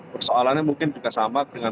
persoalannya mungkin juga sama dengan